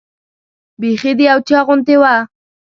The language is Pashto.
بیخي د یو چا غوندې وه.